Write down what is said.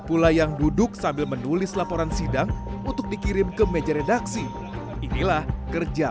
pula yang duduk sambil menulis laporan sidang untuk dikirim ke meja redaksi inilah kerja